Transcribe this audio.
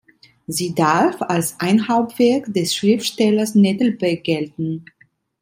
Sie darf als ein Hauptwerk des Schriftstellers Nettelbeck gelten.